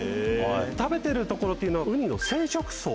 食べてるところというのはウニの生殖巣。